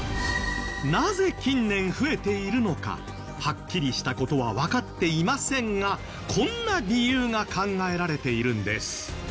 なぜ近年増えているのかはっきりした事はわかっていませんがこんな理由が考えられているんです。